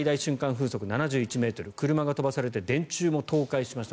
風速７１ｍ車が飛ばされて電柱も倒壊しました。